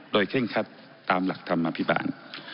โดยเคร่งคัดตามหลักธรรมอภิบาล